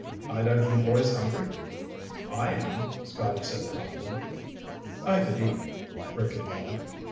Either of you boys hungry?" "I am," Scotty said promptly. "I could eat," Rick admitted.